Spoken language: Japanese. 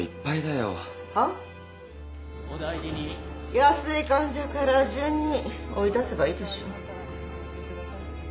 安い患者から順に追い出せばいいでしょ。